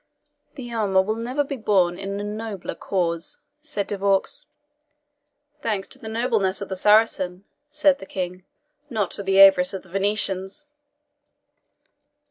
"The armour will never be borne in a nobler cause," said De Vaux. "Thanks to the nobleness of the Saracen," said the King, "not to the avarice of the Venetians."